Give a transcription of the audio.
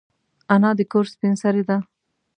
انا د کور سپین سرې ده